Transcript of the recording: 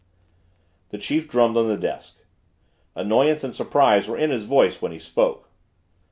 The chief drummed on the desk. Annoyance and surprise were in his voice when he spoke.